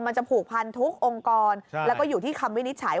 มันจะผูกพันทุกองค์กรแล้วก็อยู่ที่คำวินิจฉัย